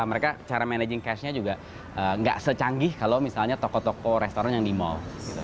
mereka cara managing cashnya juga nggak secanggih kalau misalnya toko toko restoran yang di mall